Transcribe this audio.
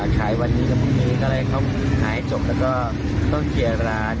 ขายวันนี้กับวันนี้ก็เลยต้องขายจบแล้วก็ต้องเคลียร์ร้าน